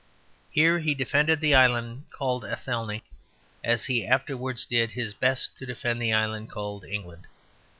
Here he defended the island called Athelney as he afterwards did his best to defend the island called England.